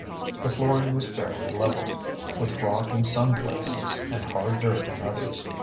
The flooring was fairly level, with rock in some places and hard dirt in others.